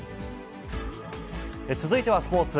続いてはスポーツ。